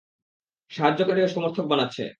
সাহায্যকারী ও সমর্থক বানাচ্ছে।